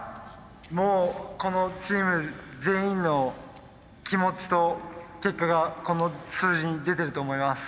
もうこのチーム全員の気持ちと結果がこの数字に出てると思います。